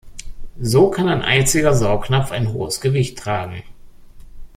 So kann ein einziger Saugnapf ein hohes Gewicht tragen.